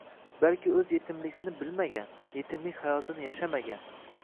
Balki o'zi yetimligini bilmagan, yetimlik hayotini yashamagan